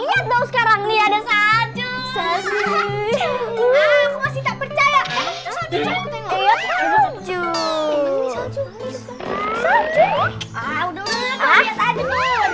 ini ada apa sih kalian